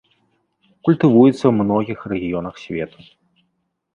Культывуецца ў многіх рэгіёнах свету.